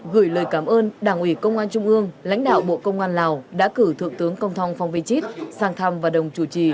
gửi lời cảm ơn đảng ủy công an trung ương lãnh đạo bộ công an lào đã cử thượng tướng công thong phong vi chít sang thăm và đồng chủ trì